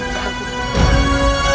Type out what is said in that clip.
putraku kian santan